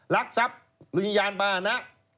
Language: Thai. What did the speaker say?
รักษัพรุยญาณบ้านะ